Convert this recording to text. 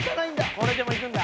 「これでもいくんだ」